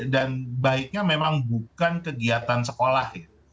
dan baiknya memang bukan kegiatan sekolah ya